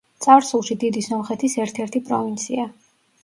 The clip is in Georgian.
წარსულში დიდი სომხეთის ერთ-ერთი პროვინცია.